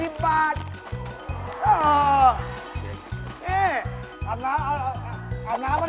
นี่อาบน้ำอาบน้ำหรือเปล่าเนี่ย